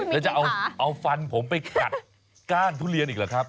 แล้วจะเอาฟันผมไปกัดก้านทุเรียนอีกหรือครับ